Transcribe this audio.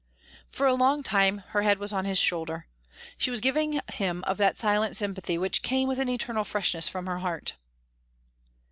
For a long time her head was on his shoulder. She was giving him of that silent sympathy which came with an eternal freshness from her heart.